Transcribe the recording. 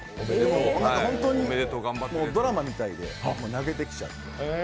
ホントにドラマみたいで泣けてきちゃって。